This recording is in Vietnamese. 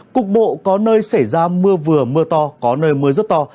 cục bộ có nơi xảy ra mưa vừa mưa to có nơi mưa rất to